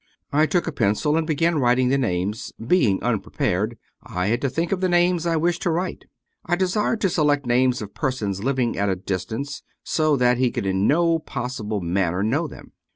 I took a pencil and began writing the names ; being unprepared I had to think of the names I wished to write. I desired to select names of persons living at a distance, so that he could in no possible manner know them.